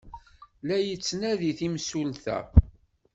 La yi-tettnadi temsulta.